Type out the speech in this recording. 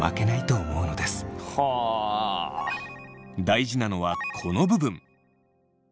大事なのはこの部分。